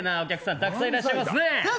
たくさんいらっしゃいますね！